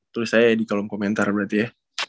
tulis aja di kolom komentar berarti ya